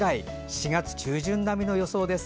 ４月中旬並みの予想です。